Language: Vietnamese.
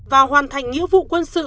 và hoàn thành nghĩa vụ quân sự